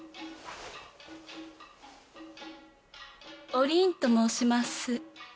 おりんと申します。